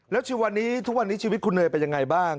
แล้วชีวิตวันนี้ทุกวันนี้ชีวิตคุณเนยเป็นยังไงบ้าง